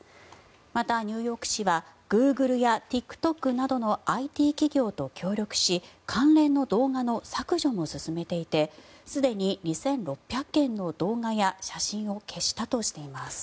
また、ニューヨーク市はグーグルやＴｉｋＴｏｋなどのＩＴ企業と協力し関連の動画の削除も進めていてすでに２６００件の動画や写真を消したとしています。